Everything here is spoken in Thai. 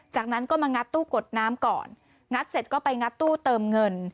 จากนั้นก็มางัดตู้กดน้ำก่อนงัดเสร็จก็ไปงัดตู้เติมเงิน